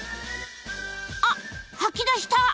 あっ吐き出した！